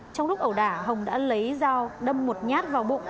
trong lúc ẩu đả hồng đã lấy dao đâm một nhát vào bụng